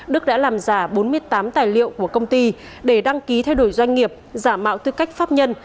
đức đã làm giả bốn mươi tám tài liệu của công ty để đăng ký thay đổi doanh nghiệp giả mạo tư cách pháp nhân